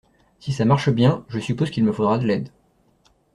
Si ça marche bien, je suppose qu’il me faudra de l’aide.